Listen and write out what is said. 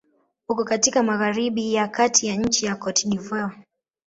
Uko katika magharibi ya kati ya nchi Cote d'Ivoire.